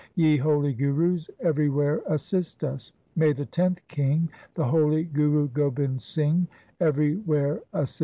Ye holy Gurus, everywhere assist us. May the tenth king, the holy Guru Gobind Singh, every where assist us.